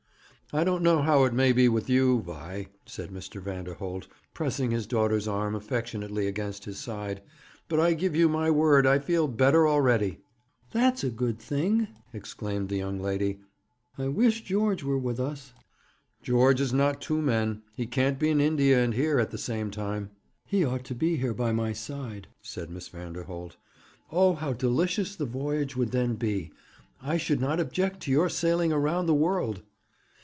'I don't know how it may be with you, Vi,' said Mr. Vanderholt, pressing his daughter's arm affectionately against his side, 'but I give you my word I feel better already.' 'That's a good thing,' exclaimed the young lady. 'I wish George were with us.' 'George is not two men. He can't be in India and here at the same time.' 'He ought to be here, by my side,' said Miss Vanderholt. 'Oh, how delicious the voyage would then be! I should not object to your sailing round the world.'